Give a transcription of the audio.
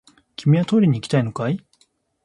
君はトイレに行きたいのかい？